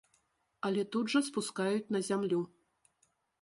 Але тут жа спускаюць на зямлю.